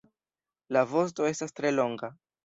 La vosto estas tre longa.